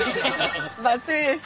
バッチリでした。